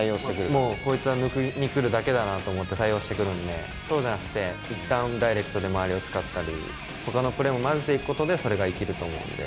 もうこいつは抜きにくるだけだなと思って対応してくるんで、そうじゃなくて、いったん、ダイレクトで周りを使ったり、ほかのプレーも混ぜていくことで、それが生きると思うんで。